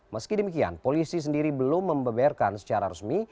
meski demikian polisi sendiri belum membeberkan secara resmi